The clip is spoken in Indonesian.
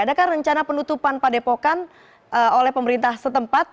adakah rencana penutupan padepokan oleh pemerintah setempat